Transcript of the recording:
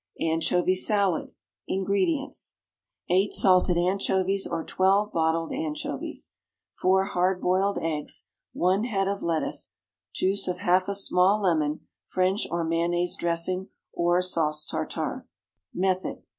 =Anchovy Salad.= INGREDIENTS. 8 salted anchovies, or 12 bottled anchovies. 4 hard boiled eggs. 1 head of lettuce. Juice of half a small lemon. French or mayonnaise dressing, or Sauce tartare. _Method.